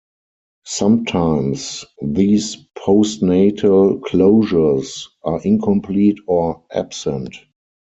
Sometimes these postnatal closures are incomplete or absent.